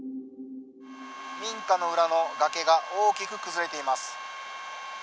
民家の裏の崖が大きく崩れています。